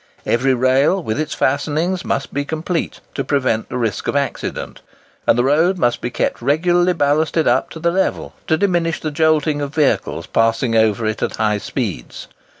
Every rail with its fastenings must be complete, to prevent risk of accident; and the road must be kept regularly ballasted up to the level, to diminish the jolting of vehicles passing over it at high speeds.